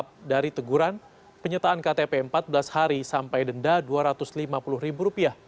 dari teguran penyertaan ktp empat belas hari sampai denda rp dua ratus lima puluh